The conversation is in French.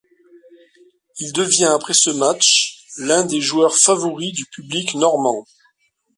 Il devient après ce match l'un des joueurs favoris du public normand.